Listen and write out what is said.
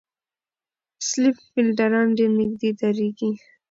سلیپ فېلډران ډېر نږدې درېږي.